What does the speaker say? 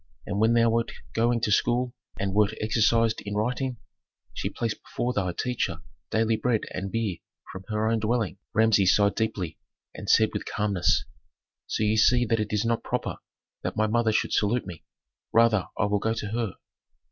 And when thou wert going to school and wert exercised in writing, she placed before thy teacher daily bread and beer from her own dwelling." Authentic. Rameses sighed deeply and said with calmness, "So ye see that it is not proper that my mother should salute me. Rather I will go to her."